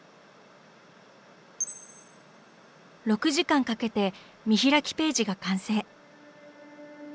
６時間かけて見開きページが完成。